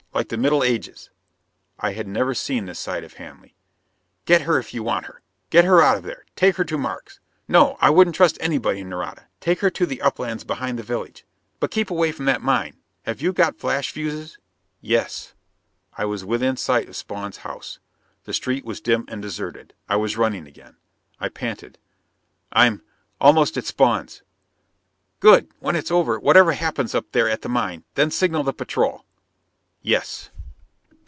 Like the Middle Ages?" I had never seen this side of Hanley. "Get her if you want her. Get her out of there. Take her to Markes No, I wouldn't trust anybody in Nareda! Take her into the uplands behind the village. But keep away from that mine! Have you got flash fuses?" "Yes." I was within sight of Spawn's house. The street was dim and deserted. I was running again. I panted. "I'm almost at Spawn's!" "Good! When it's over, whatever happens up there at the mine, then signal the patrol." "Yes."